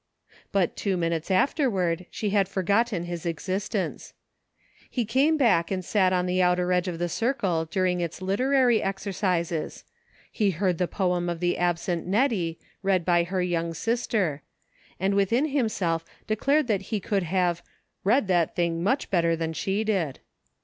But two minutes afterward she had forgotten his existence. He came back and sat on the outer SEEKING STEPPING STONES. 213 edge of the circle during its literary exercises. He heard the poem of the absent Nettie, read by her young sister ; and within himself declared that he could have " read that thing much better than she did."